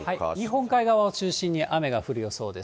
日本海側を中心に雨が降る予想です。